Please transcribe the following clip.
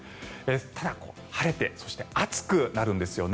ただ、晴れて暑くなるんですよね。